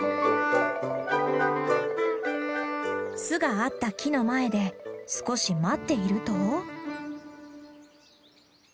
巣があった木の前で少し待っていると。